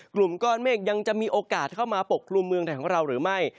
กลุ่มก้อนเมฆยังจะมีโอกาสเข้ามาปกครุมเมืองไทยของเราหรือไม่